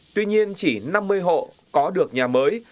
tuy nhiên chỉ năm mươi hộ có được nhà mới